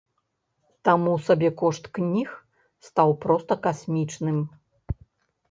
Таму сабекошт кніг стаў проста касмічным.